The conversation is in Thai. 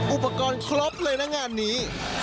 อุปกรณ์ครบเลยนะงานนี้